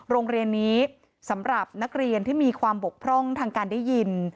โรงเรียนนี้สำหรับนักเรียนที่มีความบกพร่องทางการได้ยิน